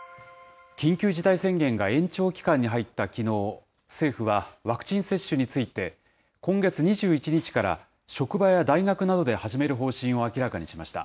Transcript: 緊急事態宣言が延長期間に入ったきのう、政府はワクチン接種について、今月２１日から、職場や大学などで始める方針を明らかにしました。